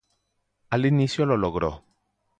Al inicio lo logró.